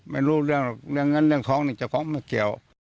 ไม่รู้เรื่องงั้นเรื่องของนี่จะของไม่เกี่ยว